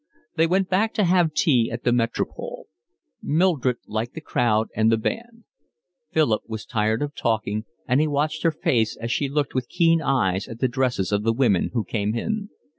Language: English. They went back to have tea at the Metropole. Mildred liked the crowd and the band. Philip was tired of talking, and he watched her face as she looked with keen eyes at the dresses of the women who came in.